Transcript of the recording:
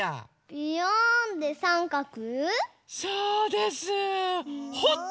ビヨーンでさんかく。